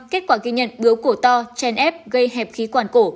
kết quả ghi nhận bướu cổ to chèn ép gây hẹp khí quản cổ